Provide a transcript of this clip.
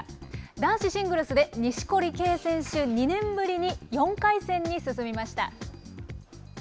男子シングルスで錦織圭選手、２年ぶりに４回戦に進みました。